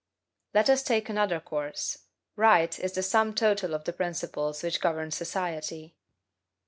Let us take another course. RUGHT is the sum total of the principles which govern society.